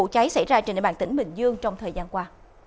tại trên địa bàn tỉnh bình dương trong thời gian qua